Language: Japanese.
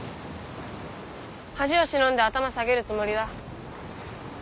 恥を忍んで頭下げるつもりだ。